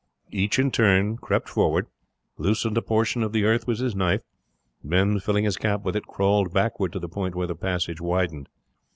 Each in turn crept forward, loosened a portion of the earth with his knife, and then filling his cap with it, crawled backward to the point where the passage widened.